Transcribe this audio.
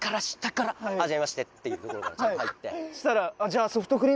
そしたら。